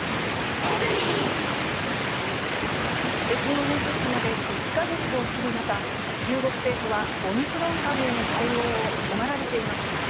北京オリンピックまで１か月を切る中、中国政府はオミクロン株への対応を迫られています。